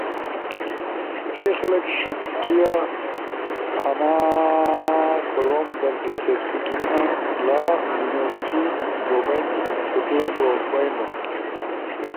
سی خلگ ݜیکیا آنا کوروم در دلچسپی گھیننا۔ لا یونیورسٹی بو بئینی، سکول بو بئینو،